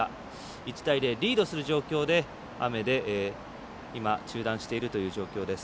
１対０、リードする状況で雨で中断しているという状況です。